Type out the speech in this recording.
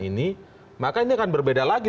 ini maka ini akan berbeda lagi